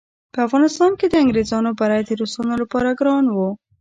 په افغانستان کې د انګریزانو بری د روسانو لپاره ګران وو.